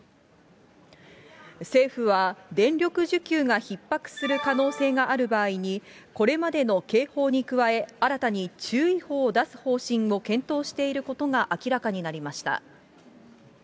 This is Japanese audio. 政府は、電力需給がひっ迫する可能性がある場合に、これまでの警報に加え、新たに注意報を出す方針を検討していることが明らかになりました。